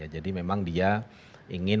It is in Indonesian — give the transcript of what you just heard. jadi memang dia ingin